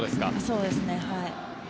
そうですね。